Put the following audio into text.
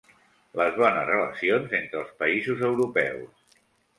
Les bones relacions entre els països europeus.